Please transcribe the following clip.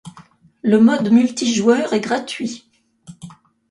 Le mode multijoueur est gratuit.